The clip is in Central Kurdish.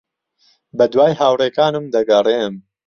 بەدوای ھاوڕێکانم دەگەڕێم.